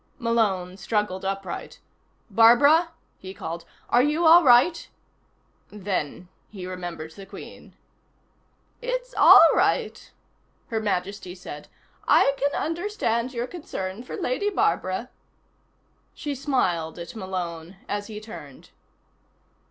Malone struggled upright. "Barbara?" he called. "Are you all right " Then he remembered the Queen. "It's all right," Her Majesty said. "I can understand your concern for Lady Barbara." She smiled at Malone as he turned.